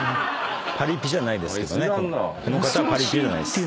パリピじゃないですけどね。